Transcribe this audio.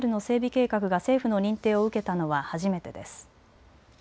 計画が政府の認定を受けたのは初めてです。